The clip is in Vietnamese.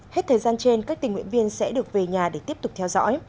hết thời gian trên các tình nguyện viên sẽ được về nhà để tiếp tục theo dõi